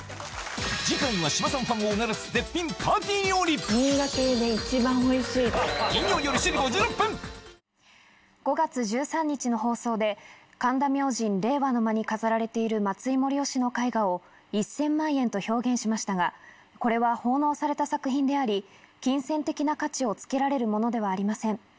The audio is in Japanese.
次回は５月１３日の放送で神田明神令和の間に飾られている松井守男の絵画を１０００万円と表現しましたがこれは奉納された作品であり金銭的な価値をつけられるものではありません。